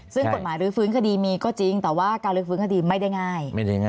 ซึ่งกฎหมายลื้อฟื้นคดีมีก็จริงแต่ว่าการลื้อฟื้นคดีไม่ได้ง่าย